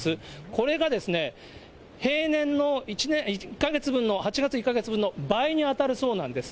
これがですね、平年の１か月分の８月１か月分の倍に当たるそうなんです。